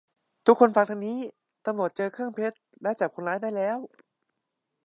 ทุกคนฟังทางนี้ ตำรวจเจอเครื่องเพชรและจับคนร้ายได้แล้ว